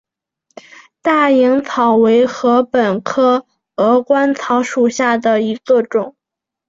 大颖草为禾本科鹅观草属下的一个种。